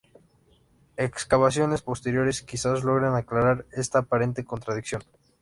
Excavaciones posteriores quizás logren aclarar esta aparente contradicción.